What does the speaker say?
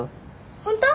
ホント？